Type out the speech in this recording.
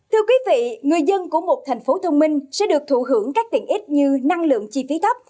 thưa quý vị người dân của một thành phố thông minh sẽ được thụ hưởng các tiện ích như năng lượng chi phí thấp